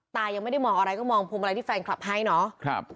ตายังไม่ได้มองอะไรก็มองพวงมาลัยที่แฟนคลับให้เนาะ